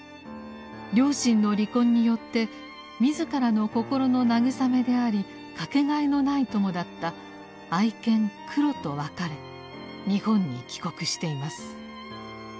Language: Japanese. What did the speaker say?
両親の離婚によって自らの心の慰めであり掛けがえのない友だった愛犬「クロ」と別れ日本に帰国しています。